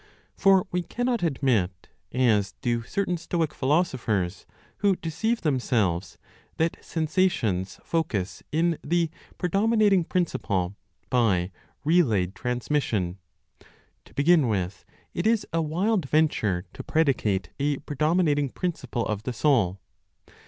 For we cannot admit, as do certain (Stoic) philosophers, who deceive themselves, that sensations focus in the "predominating principle" by "relayed transmission." To begin with, it is a wild venture to predicate a "predominating principle" of the soul.